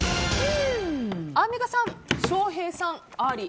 アンミカさん、翔平さん、あり。